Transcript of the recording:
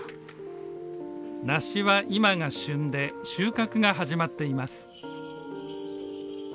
梨は今が旬で収穫が始まっています。